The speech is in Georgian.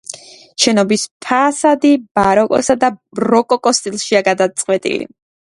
შენობის ფასადი ბაროკოსა და როკოკოს სტილშია გადაწყვეტილი.